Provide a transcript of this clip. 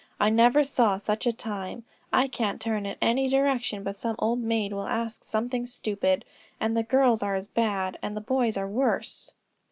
I never saw such a time; I can't turn in any direction but some old maid will ask me something stupid; and the girls are as bad, and the boys are worse."